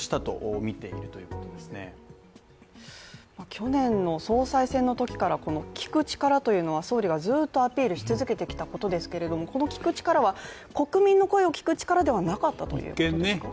去年の総裁選の時から、聞く力というのは総理がずっとアピールし続けてきたことですけれども、この聞く力は、国民の声を聞く力ではなかったということですか。